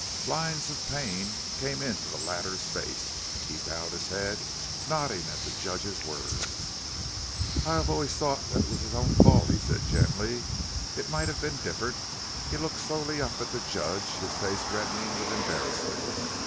Lines of pain came into the latter's face; he bowed his head, nodding at the Judge's words. "I have always thought that it was his own fault," he said gently. "It might have been different." He looked slowly up at the judge, his face reddening with embarrassment.